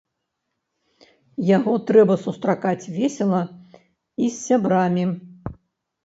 Яго трэба сустракаць весела і з сябрамі!